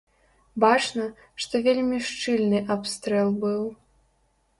Бачна, што вельмі шчыльны абстрэл быў.